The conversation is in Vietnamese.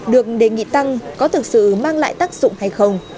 được đề nghị tăng có thực sự mang lại tác dụng hay không